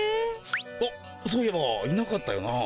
あっそういえばいなかったよな。